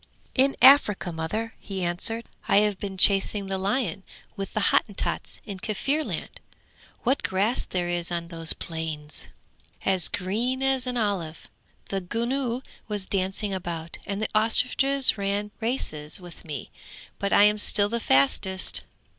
'In Africa, mother!' he answered. 'I have been chasing the lion with the Hottentots in Kaffirland! What grass there is on those plains! as green as an olive. The gnu was dancing about, and the ostriches ran races with me, but I am still the fastest.